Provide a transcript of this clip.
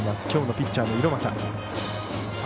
きょうのピッチャーの猪俣。